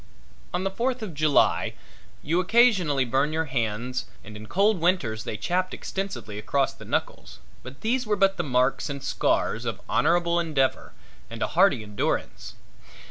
On the Fourth of July you occasionally burned your hands and in cold winters they chapped extensively across the knuckles but these were but the marks and scars of honorable endeavor and a hardy endurance.